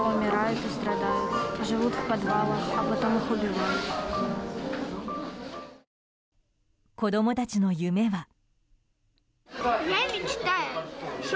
子供たちの夢は。